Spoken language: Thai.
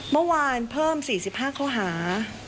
เมื่อวานเพิ่ม๔๕ข้อหา